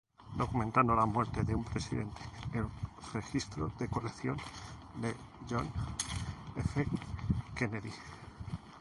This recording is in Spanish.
Documentando la muerte de un presidente: El registro de colección de John F. Kennedy